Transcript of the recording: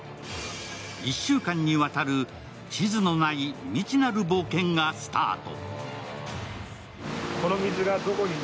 １週間にわたる地図のない未知なる冒険がスタート。